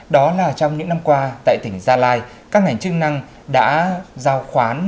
đó là trong những năm qua tại tỉnh gia lai các ngành chức năng đã giao khoán